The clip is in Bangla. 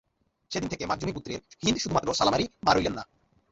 সেদিন থেকে মাখযূমী গোত্রের হিন্দ শুধুমাত্র সালামারই মা রইলেন না।